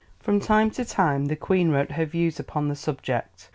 From time to time the Queen wrote her views upon the subject.